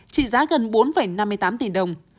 trị giá gần bốn năm mươi tám tỷ đồng